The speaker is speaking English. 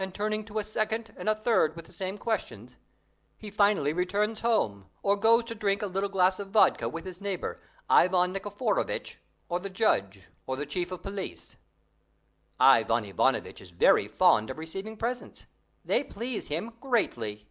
And turning to a second and a third with the same questions, he finally returns home, or goes to drink a little glass of vodka with his neighbour, Ivan Nikiforovitch, or the judge, or the chief of police. Ivan Ivanovitch is very fond of receiving presents. They please him greatly.